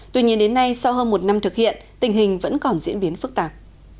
tuy nhiên đến nay sau hơn một năm thực hiện tình hình vẫn còn diễn biến phức tạp